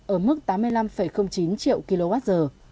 ở mức tám mươi năm chín triệu kwh